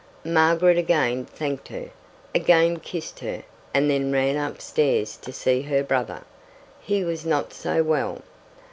Margaret again thanked her, again kissed her, and then ran upstairs to see her brother. He was not so well.